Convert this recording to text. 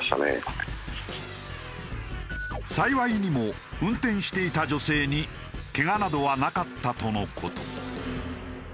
幸いにも運転していた女性にケガなどはなかったとの事。